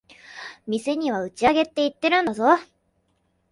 店には打ち上げって言ってるんだぞ。